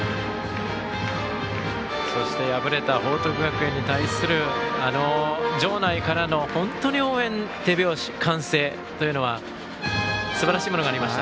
そして、敗れた報徳学園に対するあの場内からの本当に手拍子、歓声というものはすばらしいものがありました。